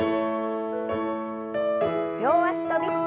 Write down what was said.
両脚跳び。